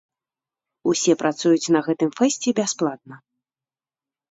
Усе працуюць на гэтым фэсце бясплатна.